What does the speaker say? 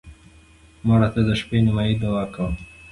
مړه ته د شپه نیمایي دعا کوو